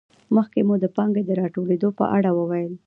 مخکې مو د پانګې د راټولېدو په اړه وویل